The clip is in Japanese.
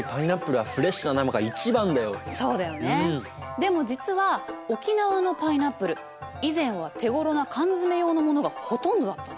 でも実は沖縄のパイナップル以前は手ごろな缶詰用のものがほとんどだったの。